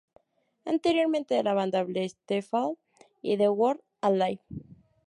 Anteriormente de la banda Blessthefall y The Word Alive.